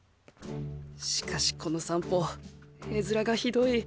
しかしこの散歩絵面がひどい。